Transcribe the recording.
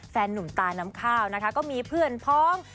แฟนนุ่มตาน้ำข้าวนะคะก็มีเพื่อนพ้อง